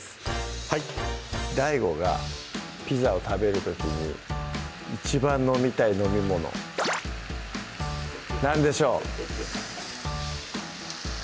はいＤＡＩＧＯがピザを食べる時に一番飲みたい飲みもの何でしょう？